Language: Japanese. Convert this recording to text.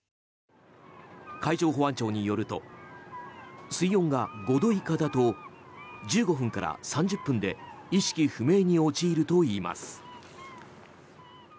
海上保安庁によると水温が５度以下だと１５分から３０分で意識不明に陥るといいます。